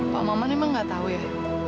pak maman emang gak tau ya